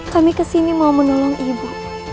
kami kesini mau menolong ibu